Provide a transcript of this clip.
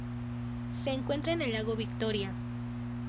Se encuentra en el lago Victoria.